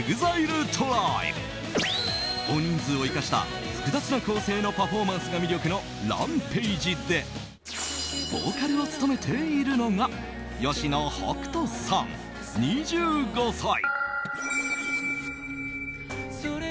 大人数を生かした複雑な構成のパフォーマンスが魅力のＲＡＭＰＡＧＥでボーカルを務めているのが吉野北人さん、２５歳。